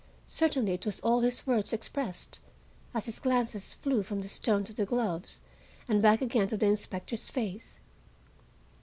Certainly it was all his words expressed, as his glances flew from the stone to the gloves, and back again to the inspector's face.